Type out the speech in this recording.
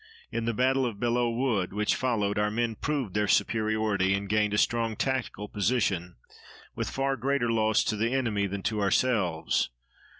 In the battle of Belleau Wood, which followed, our men proved their superiority and gained a strong tactical position, with far greater loss to the enemy than to ourselves.